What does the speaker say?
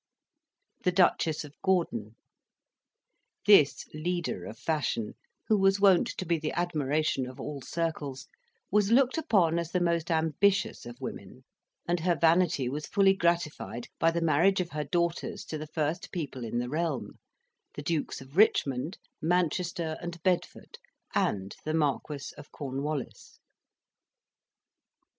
THE DUCHESS OF GORDON This leader of fashion, who was wont to be the admiration of all circles, was looked upon as the most ambitious of women, and her vanity was fully gratified by the marriage of her daughters to the first people in the realm the Dukes of Richmond, Manchester, and Bedford, and the Marquis of Cornwallis.